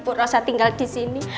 bu rosa tinggal di sini